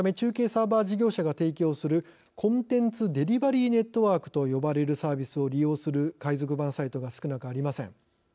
サーバー事業者が提供するコンテンツデリバリーネットワークと呼ばれるサービスを利用する海賊版サイトが少なくありません。